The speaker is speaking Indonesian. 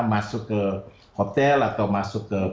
masuk ke hotel atau masuk ke